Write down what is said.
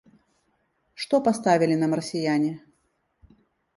Што паставілі нам расіяне?